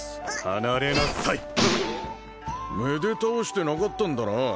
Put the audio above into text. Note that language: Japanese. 離れなさいめで倒してなかったんだな